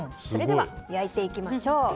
それでは焼いていきましょう。